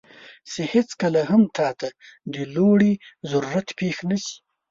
چې هیڅکله هم تاته د لوړې ضرورت پېښ نه شي،